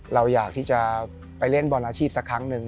เราอยากที่จะไปเล่นบอลอาชีพสักครั้งหนึ่ง